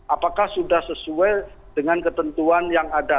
apakah sudah sesuai dengan ketentuan yang ada